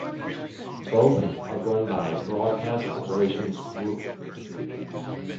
Both are run by Broadcast Operations Group.